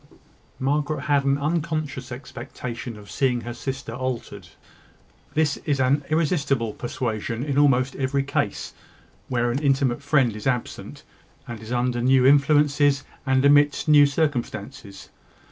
Margaret had an unconscious expectation of seeing her sister altered. This is an irresistible persuasion in almost every case where an intimate friend is absent, and is under new influences, and amidst new circumstances.